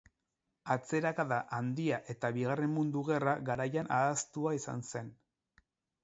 Atzerakada Handia eta Bigarren Mundu Gerra garaian ahaztua izan zen.